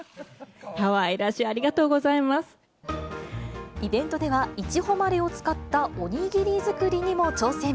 かわいらしい、ありがとうごイベントでは、いちほまれを使ったお握り作りにも挑戦。